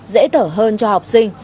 dễ thở hơn cho học sinh